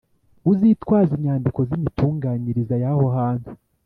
Uzitwaze inyandiko z’imitunganyirize y’aho hantu